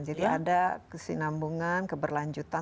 jadi ada kesinambungan keberlanjutan